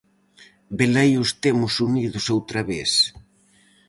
Velaí os temos unidos outra vez.